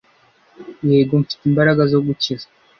yego mfite imbaraga zo gukiza